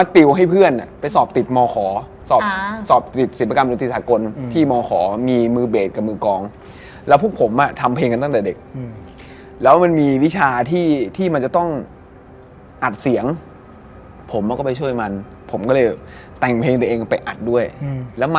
ที่รู้สึกว่าใช่แล้วน่า